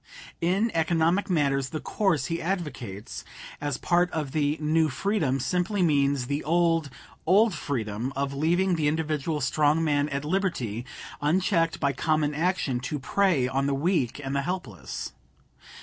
In economic matters the course he advocates as part of the "New Freedom" simply means the old, old "freedom" of leaving the individual strong man at liberty, unchecked by common action, to prey on the weak and the helpless.